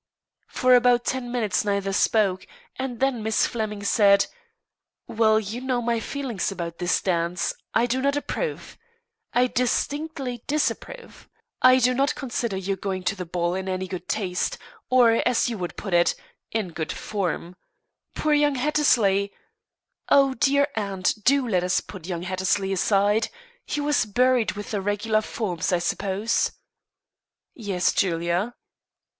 For about ten minutes neither spoke, and then Miss Flemming said, "Well, you know my feelings about this dance. I do not approve. I distinctly disapprove. I do not consider your going to the ball in good taste, or, as you would put it, in good form. Poor young Hattersley " "Oh, dear aunt, do let us put young Hattersley aside. He was buried with the regular forms, I suppose?" "Yes, Julia."